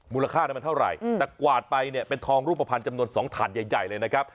มูลค่านั้นมันเท่าไหร่แต่กวาดไปเนี่ยเป็นทองรูปภัณฑ์จำนวน๒ถาดใหญ่เลยนะครับ